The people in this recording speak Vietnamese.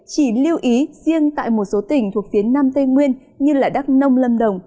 chỉ lưu ý riêng tại một số tỉnh thuộc phía nam tây nguyên như đắk nông lâm đồng